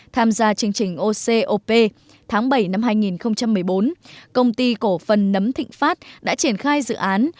tham gia chương trình ocop tháng bảy năm hai nghìn một mươi bốn công ty cổ phần nấm thịnh phát đã triển khai dự án